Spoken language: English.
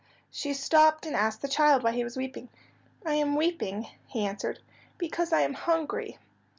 She stopped and asked the child why he was weeping. "I am weeping," he answered, "because I am hungry."